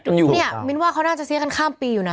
เนี่ยมิ้นว่าเขาน่าจะเสียกันข้ามปีอยู่นะ